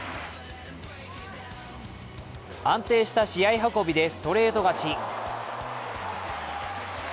安定した試合運びでストレート勝ち。